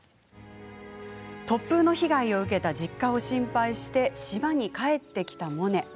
突風の被害を受けた実家を心配して、島に帰ってきたモネ。